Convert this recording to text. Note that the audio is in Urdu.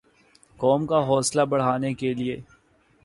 قوم کا حوصلہ بڑھانے کیلئے